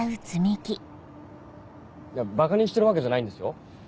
ばかにしてるわけじゃないんですよ。